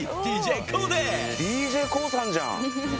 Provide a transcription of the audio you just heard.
ＤＪＫＯＯさんじゃん。